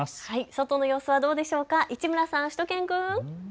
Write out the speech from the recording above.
外の様子はどうでしょうか、市村さん、しゅと犬くん。